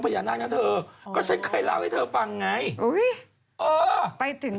ใกล้เสร็จแล้วใช่ไหม